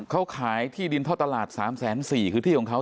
เขาขายที่ดินท่อตลาดสามแสนสี่คือที่ของเขา